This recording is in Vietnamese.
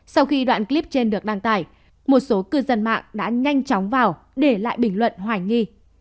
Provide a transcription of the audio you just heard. sau khi đoạn clip trên được đăng tải một số cư dân mạng đã nhanh chóng vào để lại bình luận hoài nghi